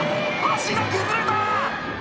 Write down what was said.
橋が崩れた！」